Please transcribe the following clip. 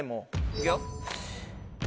いくよ。